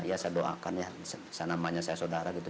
ya saya doakan ya saya namanya saya saudara gitu